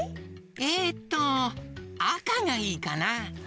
えっとあかがいいかな！